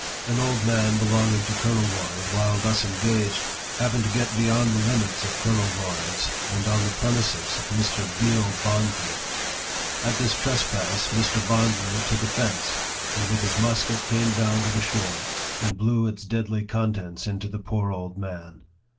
An old man belonging to Colonel Lloyd, while thus engaged, happened to get beyond the limits of Colonel Lloyd's, and on the prem ises of Mr. Deal Bondly. At this trespass, Mr. Bondly took offence, and with his musket came down to the shore, and blew its deadly contents into the poor old man.